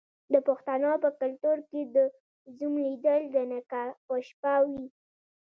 د پښتنو په کلتور کې د زوم لیدل د نکاح په شپه وي.